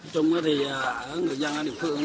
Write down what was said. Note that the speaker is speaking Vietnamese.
trong đó thì người dân địa phương